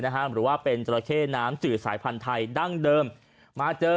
หรือว่าเป็นจราเข้น้ำจืดสายพันธุ์ไทยดั้งเดิมมาเจอ